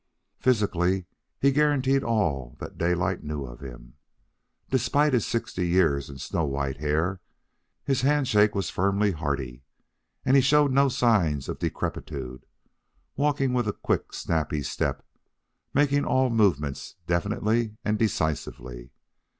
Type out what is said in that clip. Physically, he guaranteed all that Daylight knew of him. Despite his sixty years and snow white hair, his hand shake was firmly hearty, and he showed no signs of decrepitude, walking with a quick, snappy step, making all movements definitely and decisively.